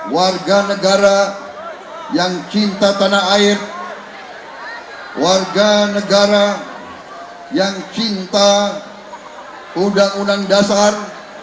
warga negara yang cinta tanah air warga negara yang cinta undang undang dasar